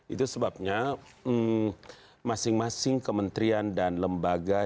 itu sebabnya masing masing kementerian dan lembaga